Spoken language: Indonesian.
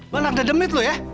lu anak dademit lu ya